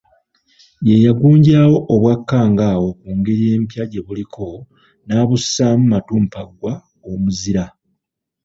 Ye yagunjawo Obwakangaawo ku ngeri empya gye buliko n'abussaamu Matumpaggwa omuzira.